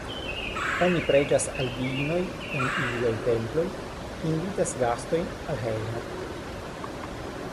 Oni preĝas al diinoj en iliaj temploj, invitas gastojn al hejmo.